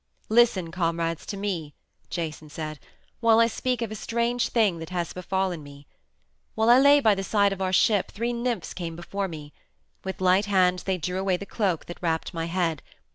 "Listen, comrades, to me," Jason said, "while I speak of a strange thing that has befallen me. While I lay by the side of our ship three nymphs came before me. With light hands they drew away the cloak that wrapped my head.